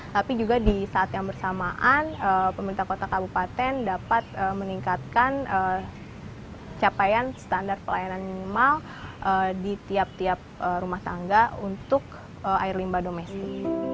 tapi juga di saat yang bersamaan pemerintah kota kabupaten dapat meningkatkan capaian standar pelayanan minimal di tiap tiap rumah tangga untuk air limba domestik